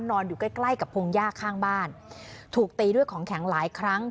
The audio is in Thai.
อยู่ใกล้ใกล้กับพงหญ้าข้างบ้านถูกตีด้วยของแข็งหลายครั้ง